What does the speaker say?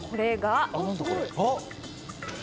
これが。